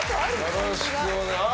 よろしくお願いします。